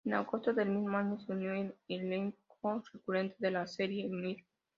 En agosto del mismo año se unió al elenco recurrente de la serie Mr.